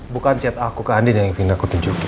bukan chat aku ke andi yang ingin atau tunjukkin